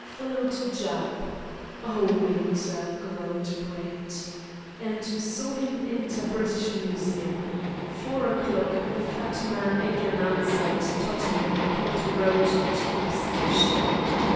Followed Jap ("Oh, Winter!" groaned Brett) and saw him enter British Museum. Four o'clock he met fat man again outside Tottenham Court Road Tube Station.